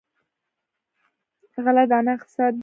غله دانه اقتصاد دی.